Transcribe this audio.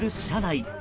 車内。